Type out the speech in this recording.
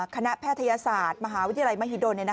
แพทยศาสตร์มหาวิทยาลัยมหิดล